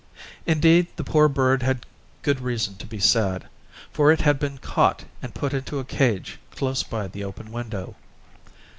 Indeed the poor bird had good reason to be sad, for it had been caught and put into a cage close by the open window.